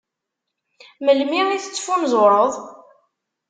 Melmi i tettfunzureḍ?